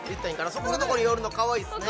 そこのとこにおるのかわいいっすね